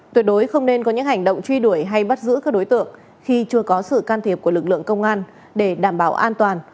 tuyệt đối không nên có những hành động truy đuổi hay bắt giữ các đối tượng khi chưa có sự can thiệp của lực lượng công an để đảm bảo an toàn